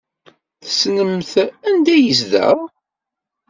Tessnemt anda ay yezdeɣ?